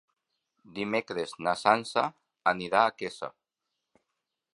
Dimecres na Sança anirà a Quesa.